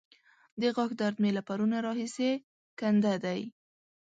د غاښ درد مې له پرونه راهسې کنده دی.